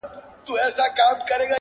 د ځوانیمرګو زړو تاوده رګونه-